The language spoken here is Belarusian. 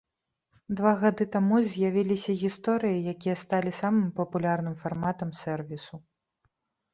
Два гады таму з'явіліся гісторыі, якія сталі самым папулярным фарматам сэрвісу.